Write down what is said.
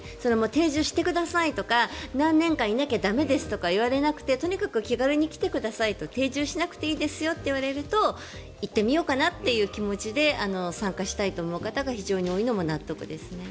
定住してくださいとか何年間いなきゃ駄目ですとか言われなくてとにかく気軽に来てくださいと定住しなくていいですよと言われると行ってみようかなという気持ちで参加したいと思う方が非常に多いのも納得ですね。